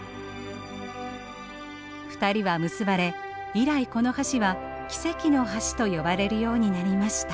２人は結ばれ以来この橋は奇跡の橋と呼ばれるようになりました。